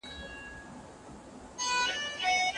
خپلواکه څېړنه تر سندي څېړني زیاته ازادي لري.